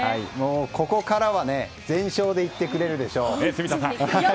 ここからは全勝でいってくれるでしょう。